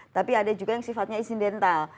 tapi ada juga yang sifatnya isidental